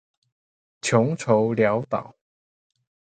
窮愁潦倒